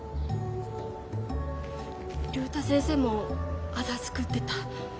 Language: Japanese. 竜太先生もあざ作ってた。